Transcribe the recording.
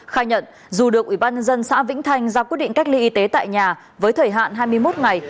khai nhận dù được ủy ban nhân dân xã vĩnh thanh ra quyết định cách ly y tế tại nhà với thời hạn hai mươi một ngày